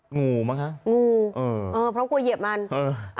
งูมั้งคะงูเออเออเพราะกลัวเหยียบมันเออ